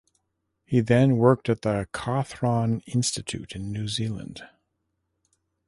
He then worked at the Cawthron Institute in New Zealand.